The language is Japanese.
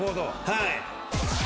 はい。